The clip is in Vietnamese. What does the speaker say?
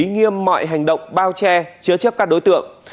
tuy nhiên mọi hành động bao che chứa chấp các đối tượng